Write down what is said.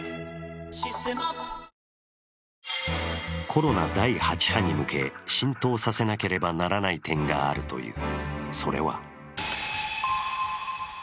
コロナ第８波に向け、浸透させなければならない点があるという。